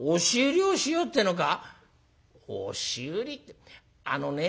「押し売りってあのね